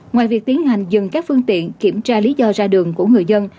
ngoài việc tiến hành dừng các phương tiện kiểm tra lý do ra đường của người dân